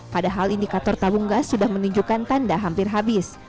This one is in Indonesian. padahal indikator tabung gas sudah menunjukkan tanda hampir habis